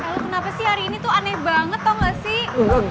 kalau kenapa sih hari ini tuh aneh banget tau gak sih